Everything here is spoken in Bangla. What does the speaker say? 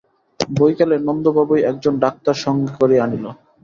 বৈকালে নন্দবাবুই একজন ডাক্তার সঙ্গে করিয়া আনিল।